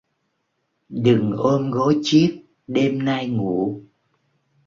Đừng ôm gối chiếc, đêm nay ngủ...